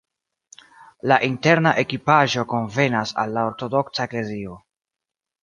La interna ekipaĵo konvenas al la ortodoksa eklezio.